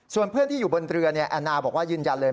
ส่วนเพื่อนที่อยู่บนเรือแอนนาบอกว่ายืนยันเลย